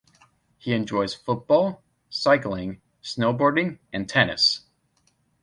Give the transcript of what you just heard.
He enjoys football, cycling, snowboarding and tennis.